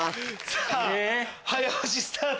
さぁ早押しスタート。